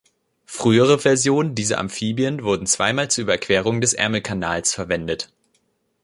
Frühere Versionen dieser Amphibien wurden zweimal zur Überquerung des Ärmelkanals verwendet.